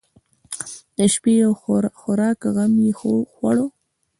د شپې او خوراک غم یې خوړ.